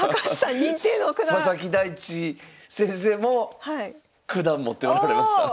佐々木大地先生も九段持っておられました。